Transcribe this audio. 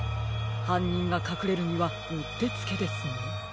はんにんがかくれるにはうってつけですね。